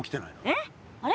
えっ？あれ？